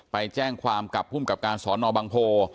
ไปแจ้งความกับภูมิกับการสอนอบังโพ